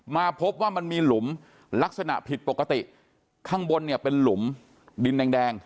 มาพบว่ามันมีหลุมลักษณะผิดปกติข้างบนเนี่ยเป็นหลุมดินแดง